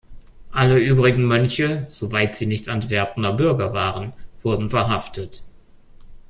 Alle übrigen Mönche, soweit sie nicht Antwerpener Bürger waren, wurden verhaftet.